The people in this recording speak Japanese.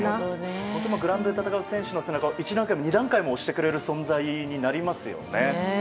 グラウンドで戦う選手を１段階も２段階も押してくれる存在になりますよね。